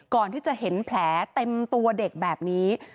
ก่อนที่จะเห็นแผลเต็มตัวเด็กแบบนี้